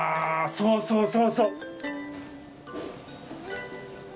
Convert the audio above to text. そうそうそうそう！